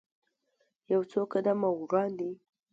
یو څو قدمه وړاندې.